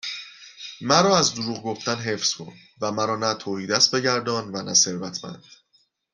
مرا از دروغ گفتن حفظ کن و مرا نه تهیدست بگردان و نه ثروتمند